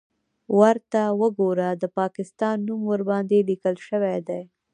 _ورته وګوره! د پاکستان نوم ورباندې ليکل شوی دی.